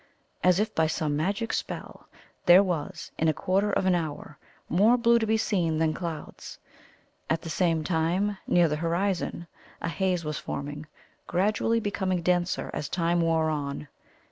As if by some magic spell there was, in a quarter of an hour, more blue to be seen than clouds. At the same time, near the horizon, a haze was forming, gradually becoming denser as time wore on.